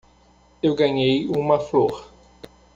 Eu ganhei uma flor.